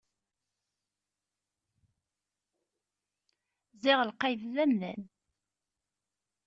Ziɣ lqayed d amdan!